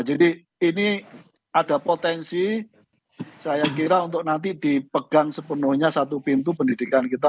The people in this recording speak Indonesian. jadi ini ada potensi saya kira untuk nanti dipegang sepenuhnya satu pintu pendidikan kita